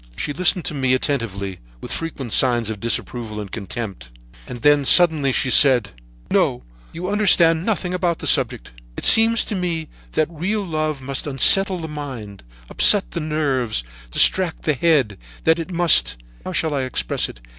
She listened to me attentively, with frequent signs of disapproval and contempt, and then suddenly she said: "'No, you understand nothing about the subject. It seems to me that real love must unsettle the mind, upset the nerves and distract the head; that it must—how shall I express it?